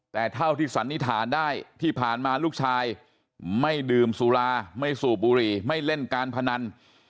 แต่เท่าที่สันนิษฐานได้ที่ผ่านมาลูกชายไม่ดื่มสุราไม่สูบบุหรี่ไม่เล่นการพนัน